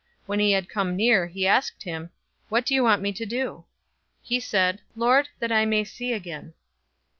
When he had come near, he asked him, 018:041 "What do you want me to do?" He said, "Lord, that I may see again."